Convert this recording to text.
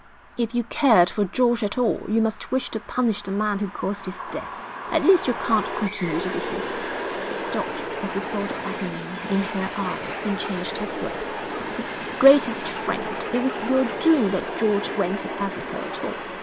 'If you cared for George at all, you must wish to punish the man who caused his death. At least you can't continue to be his' he stopped as he saw the agony in her eyes, and changed his words 'his greatest friend. It was your doing that George went to Africa at all.